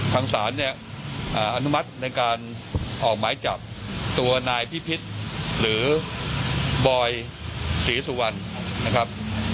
ทางศาลเนี่ยอนุมัติในการออกหมายจับตัวนายพิพิษหรือบอยศรีสุวรรณนะครับ